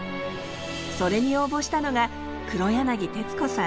それに応募したのが黒柳徹子さん。